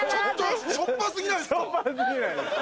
しょっぱ過ぎないです。